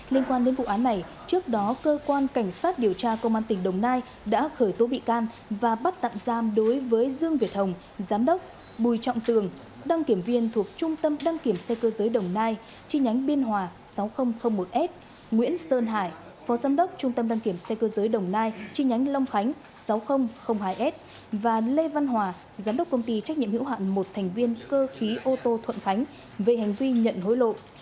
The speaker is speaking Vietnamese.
lên quan đến vụ án này trước đó cơ quan cảnh sát điều tra công an tỉnh đồng nai đã khởi tố bị can và bắt tạm giam đối với dương việt hồng giám đốc bùi trọng tường đăng kiểm viên thuộc trung tâm đăng kiểm xe cơ giới đồng nai chi nhánh biên hòa sáu nghìn một s nguyễn sơn hải phó giám đốc trung tâm đăng kiểm xe cơ giới đồng nai chi nhánh long khánh sáu nghìn hai s và lê văn hòa giám đốc công ty trách nhiệm hữu hạn một thành viên cơ khí ô tô thuận khánh về hành vi nhận hối lộ